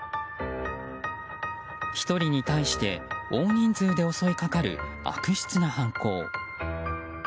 １人に対して大人数で襲いかかる悪質な犯行。